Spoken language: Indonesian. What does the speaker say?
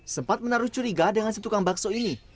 sempat menaruh curiga dengan si tukang bakso ini